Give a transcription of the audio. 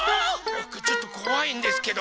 ぼくちょっとこわいんですけど。